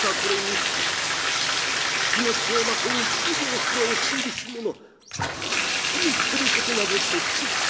命を的にようよう城へ帰りし者なんぞ見捨てることなぞできようぞ」。